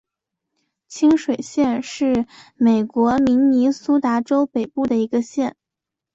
清水县是美国明尼苏达州北部的一个县。